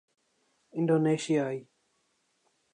انڈونیثیائی